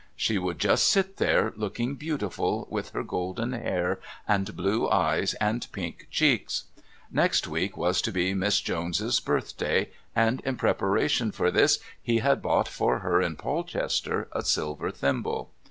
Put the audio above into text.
She would just sit there, looking beautiful, with her golden hair, and blue eyes and pink cheeks. Next week was to be Miss Jones's birthday, and in preparation for this he had bought for her in Polchester a silver thimble.